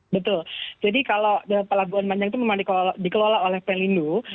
betul jadi kalau pelabuhan panjang itu memang dikelola oleh pelindo